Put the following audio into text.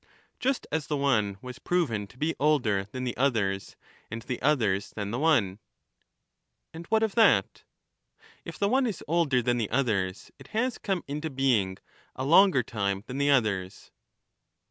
Just as the one was proven to be older than the others ^^f and the others than the one. mtnides. And what of that ? arI^'''"' If the one is older than the others, it has come into being ""«• a longer time than the others.